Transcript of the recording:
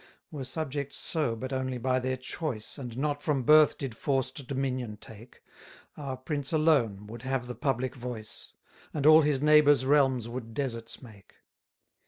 44 Were subjects so but only by their choice, And not from birth did forced dominion take, Our prince alone would have the public voice; And all his neighbours' realms would deserts make.